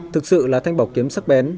thực sự là thanh bọc kiếm sắc bén